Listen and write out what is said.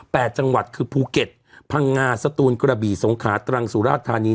จังหวัดคือภูเก็ตพังงาสตูนกระบี่สงขาตรังสุราชธานี